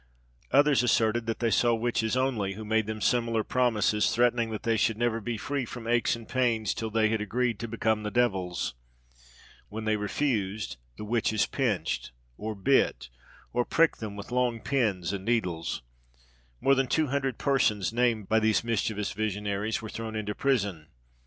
Others asserted that they saw witches only, who made them similar promises, threatening that they should never be free from aches and pains till they had agreed to become the devil's. When they refused, the witches pinched, or bit, or pricked them with long pins and needles. More than two hundred persons named by these mischievous visionaries were thrown into prison.